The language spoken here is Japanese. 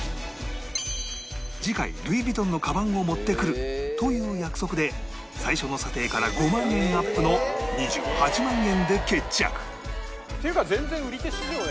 次回ルイ・ヴィトンのカバンを持ってくるという約束で最初の査定から５万円アップの２８万円で決着っていうか全然売り手市場じゃん。